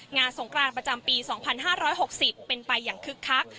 งานสงกรานประจำปี๒๕๖๐เป็นไปอย่างคึกคัก